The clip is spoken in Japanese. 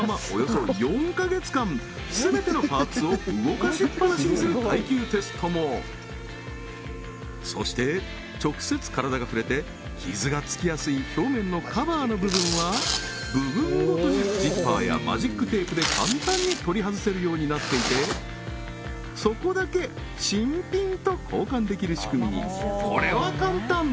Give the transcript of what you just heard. はいマッサージ機ににする耐久テストもそして直接体が触れて傷がつきやすい表面のカバーの部分は部分ごとにジッパーやマジックテープで簡単に取り外せるようになっていてそこだけ新品と交換できる仕組みにこれは簡単！